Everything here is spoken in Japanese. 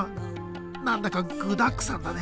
何だか具だくさんだね。